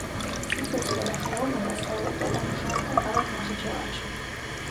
სიცოცხლე და ხელოვნება ცხოვრობდა და მუშაობდა ქალაქ ნახიჩევანში.